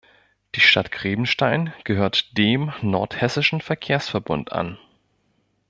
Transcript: Die Stadt Grebenstein gehört dem Nordhessischen Verkehrsverbund an.